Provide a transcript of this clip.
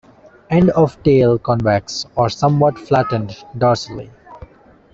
End of tail convex or somewhat flattened dorsally.